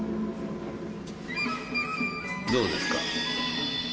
どうですか？